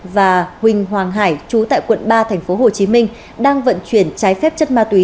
và huỳnh hoàng hải chú tại quận ba tp hcm đang vận chuyển trái phép chất ma túy